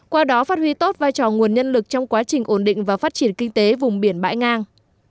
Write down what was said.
qua đó phát huy tốt vai trò nguồn nhân lực trong quá trình ổn định và phát triển kinh tế vùng biển bãi ngang